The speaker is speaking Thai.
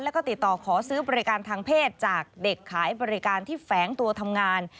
แล้วก็ติดต่อขอซื้อบริการทางเพศจากเด็กขายบริการที่แฝงตัวทำงาน